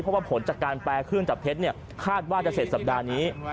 เพราะว่าผลจากการแปรเครื่องจับเท็จคาดว่าจะเสร็จสัปดาห์นี้